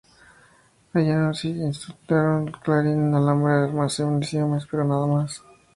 Allí incautaron un clarín, alambre, armas y municiones, pero nada más.